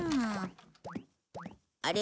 あれ？